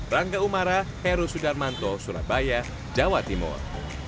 rangga umara heru sudarmanto surabaya jawa timur